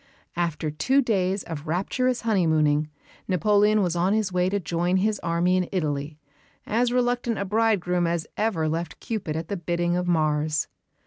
After two days of rapturous honeymooning Napoleon was on his way to join his army in Italy, as reluctant a bridegroom as ever left Cupid at the bidding of Mars.